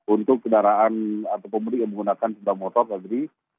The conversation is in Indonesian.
untuk kendaraan atau pemudik yang menggunakan sebuah motor pak juri